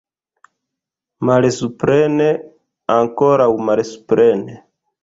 Malsupren, ankoraŭ malsupren!